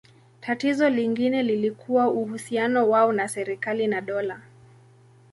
Tatizo lingine lilikuwa uhusiano wao na serikali na dola.